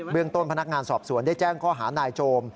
เรื่องต้นพนักงานสอบสวนได้แจ้งข้อหานายโจม